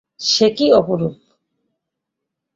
সে কী অপরূপ!